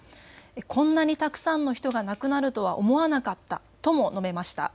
こんなにたくさんの人が亡くなるとは思わなかったとも述べました。